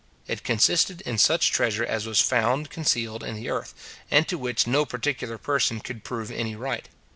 It consisted in such treasure as was found concealed in the earth, and to which no particular person could prove any right.